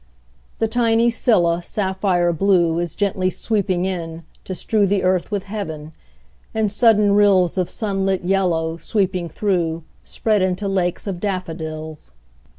The tiny scilla, sapphire blue, Is gently sweeping in, to strew The earth with heaven; and sudden rills Of sunlit yellow, sweeping through, Spread into lakes of daffodils.